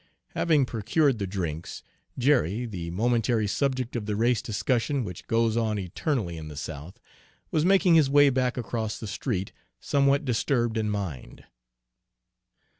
Having procured the drinks, Jerry, the momentary subject of the race discussion which goes on eternally in the South, was making his way back across the street, somewhat disturbed in mind.